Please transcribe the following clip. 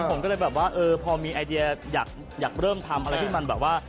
ผมก็เลยแบบว่าเออพอมีไอเดียอยากเริ่มทำอะไรที่มันแบบว่า